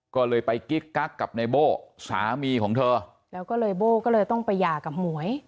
ก็เลยไปกิ๊กกักกับในโบ้สามีของเธอแล้วก็เลยโบ้ก็เลยต้องไปหย่ากับหมวย